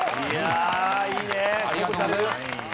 ありがとうございます。